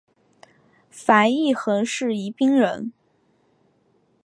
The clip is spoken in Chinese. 樊一蘅是宜宾人。